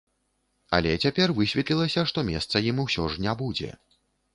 Але цяпер высветлілася, што месца ім усё ж не будзе.